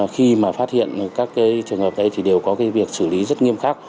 khi mà phát hiện các trường hợp đấy thì đều có cái việc xử lý rất nghiêm khắc